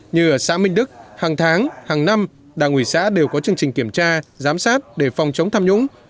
như ở xã minh đức hàng tháng hàng năm đảng ủy xã đều có chương trình kiểm tra giám sát để phòng chống tham nhũng